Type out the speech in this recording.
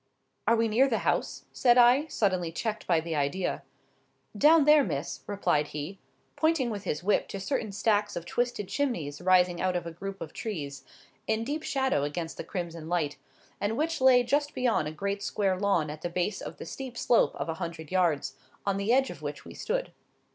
"Are we near the house?" said I, suddenly checked by the idea. "Down there, Miss," replied he, pointing with his whip to certain stacks of twisted chimneys rising out of a group of trees, in deep shadow against the crimson light, and which lay just beyond a great square lawn at the base of the steep slope of a hundred yards, on the edge of which we stood.